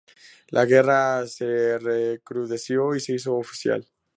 La guerra se recrudeció y se hizo oficial